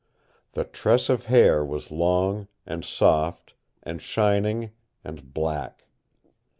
The tress of hair was long and soft and shining and black.